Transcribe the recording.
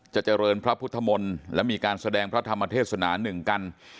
เจริญพระพุทธมนต์และมีการแสดงพระธรรมเทศนาหนึ่งกัน